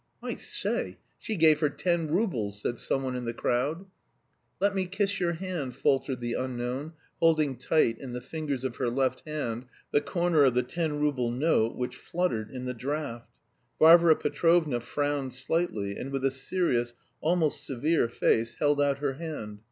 "I say, she gave her ten roubles!" someone said in the crowd. "Let me kiss your hand," faltered the unknown, holding tight in the fingers of her left hand the corner of the ten rouble note, which fluttered in the draught. Varvara Petrovna frowned slightly, and with a serious, almost severe, face held out her hand.